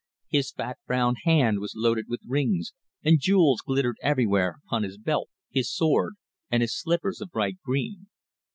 His fat brown hand was loaded with rings, and jewels glittered everywhere upon his belt, his sword, and his slippers of bright green.